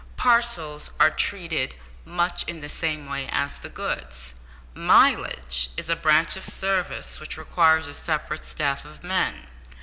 Parcels are treated much in the same way as the goods. "Mileage" is a branch of the service which requires a separate staff of men.